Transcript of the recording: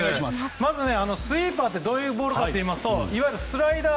スイーパーはどういうボールかというといわゆるスライダー。